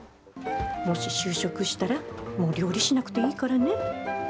もし就職したら、もう料理しなくていいからね。